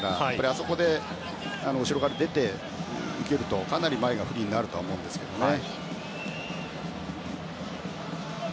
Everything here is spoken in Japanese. あそこで後ろから出ていけるとかなり前がフリーになると思うんですけどね。